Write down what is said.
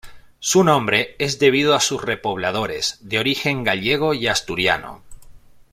Su nombre es debido a sus repobladores, de origen gallego y asturiano.